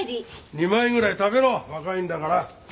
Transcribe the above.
２枚ぐらい食べろ若いんだから。